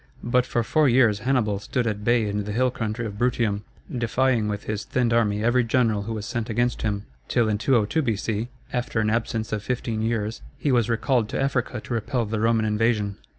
But for four years Hannibal stood at bay in the hill country of Bruttium, defying with his thinned army every general who was sent against him, till in 202 B.C., after an absence of fifteen years, he was recalled to Africa to repel the Roman invasion.